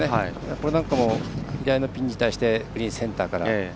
これなんかも左のピンに対してグリーン、センターから。